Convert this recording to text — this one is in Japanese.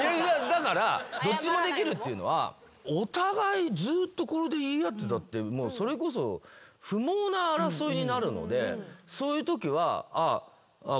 だからどっちもできるっていうのはお互いずっとこれで言い合ってたってそれこそ不毛な争いになるのでそういうときは。